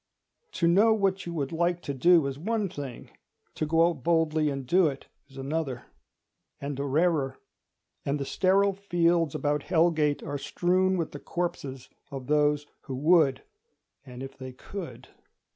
To know what you would like to do is one thing; to go out boldly and do it is another—and a rarer; and the sterile fields about Hell Gate are strewn with the corpses of those who would an if they could.